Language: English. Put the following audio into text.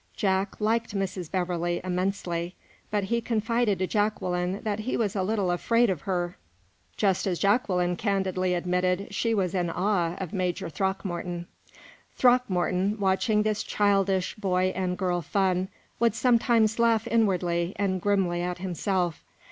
Jack liked Mrs. Beverley immensely, but he confided to Jacqueline that he was a little afraid of her just as Jacqueline candidly admitted she was in awe of Major Throckmorton. Throckmorton, watching this childish boy and girl fun, would sometimes laugh inwardly and grimly at himself.